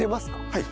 はい。